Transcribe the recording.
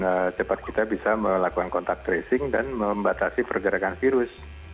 dan juga sempat kita bisa melakukan kontak tracing dan membatasi pergerakan virus